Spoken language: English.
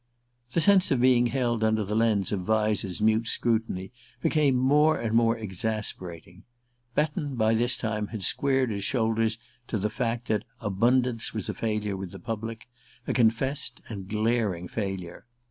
The sense of being held under the lens of Vyse's mute scrutiny became more and more exasperating. Betton, by this time, had squared his shoulders to the fact that "Abundance" was a failure with the public: a confessed and glaring failure.